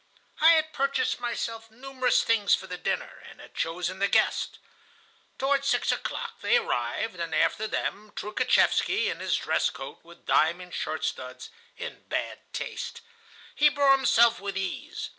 I had purchased myself numerous things for the dinner, and had chosen the guests. Toward six o'clock they arrived, and after them Troukhatchevsky, in his dress coat, with diamond shirt studs, in bad taste. He bore himself with ease.